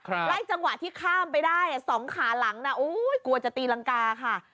ไล่จังหวะที่ข้ามไปสองขาหลังกลัวจะตีรัญกาค่ะ